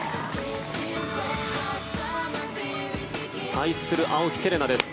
対する青木瀬令奈です。